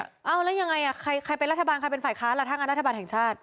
เอ้าแล้วยังไงใครเป็นรัฐบาลใครเป็นฝ่ายค้านล่ะถ้างั้นรัฐบาลแห่งชาติ